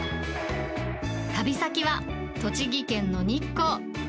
旅先は栃木県の日光。